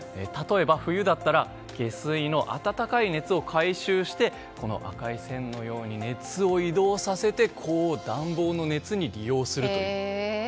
例えば、冬だったら下水の温かい熱を回収して赤い線のように熱を移動させて暖房の熱に利用するという。